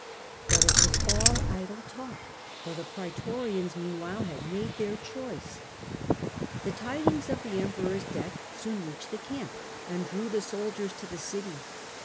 But it was all idle talk, for the praetorians meanwhile had made theii choice. The tidings of the Emperors death soon reached the camp, and drew the soldiers to the city.